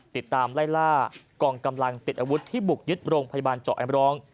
ติดตามไล่ล่ากองกำลังติดอาวุธที่บุกยึดโรงพยาบาลเจาะแอมร้อง